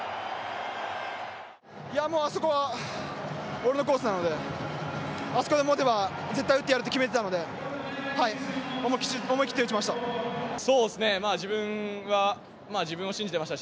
俺のコースなのであそこで持てば絶対打ってやるって決めてたので思い切って打ちました。